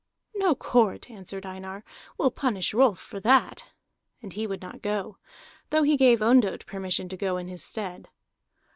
"No court," answered Einar, "will punish Rolf for that." And he would not go, though he gave Ondott permission to go in his stead.